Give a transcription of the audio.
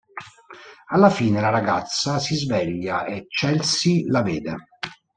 Alla fine la ragazza si sveglia e Chelsea la vede.